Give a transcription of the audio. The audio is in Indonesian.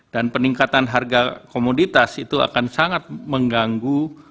dan peningkatan harga komoditas itu akan sangat mengganggu